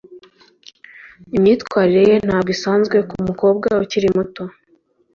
imyitwarire ye ntabwo isanzwe kumukobwa ukiri muto